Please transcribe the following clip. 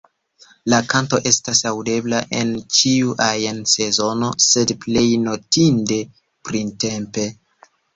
La kanto estas aŭdebla en ĉiu ajn sezono, sed plej notinde printempe.